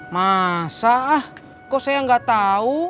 masa ah kok kok saya nggak tahu